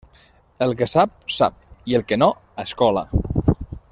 El que sap, sap, i el que no, a escola.